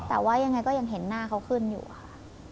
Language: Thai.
แต่ว่ายังไงก็ยังเห็นหน้าเขาขึ้นอยู่ค่ะ